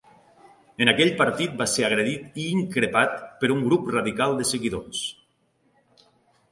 En aquell partit va ser agredit i increpat per un grup radical de seguidors.